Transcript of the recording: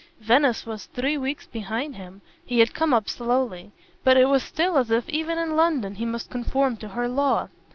Venice was three weeks behind him he had come up slowly; but it was still as if even in London he must conform to her law.